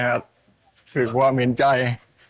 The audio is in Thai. สื่อความเห็นใจ